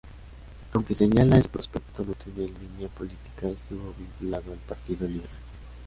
Aunque señala en su prospecto no tener línea política, estuvo vinculado al Partido Liberal.